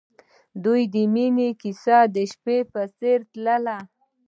د دوی د مینې کیسه د شپه په څېر تلله.